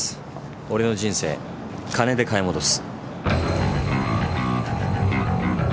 俺の人生金で買い戻す。